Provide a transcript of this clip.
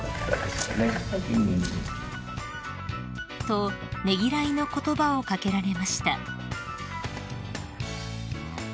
［とねぎらいの言葉を掛けられました］